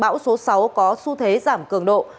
bão số sáu có xu thế giảm cường độ